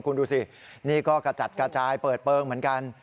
คุณดูสินี่ก็กระจัดกระจายเปิดเปลืองเหมือนกัน